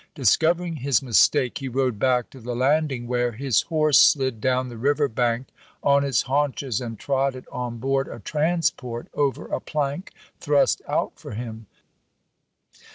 Dis covering his mistake he rode back to the landing, M.F. Force, whcrc " liis horsc slid down the river bank on its Hen^y to haunchcs and trotted on board a transport over a p. 23. ' plank thrust out for him."